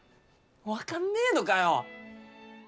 分かんねぇのかよ。